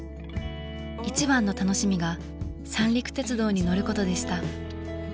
一番の楽しみが三陸鉄道に乗ることでした。